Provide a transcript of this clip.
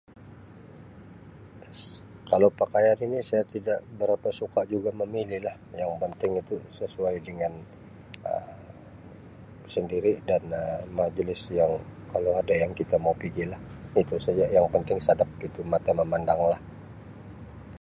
Kalau pakaian ini saya tidak berapa suka juga mamilih lah yang penting itu sesuai dengan Um sendiri dan Um majlis yang kalau ada yang kita mau pigi lah yang penting sadap mata mamandanglah.